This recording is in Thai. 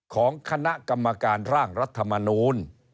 ของคณะกรรมการร่างรัฐมนูล